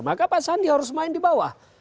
maka pak sandi harus main di bawah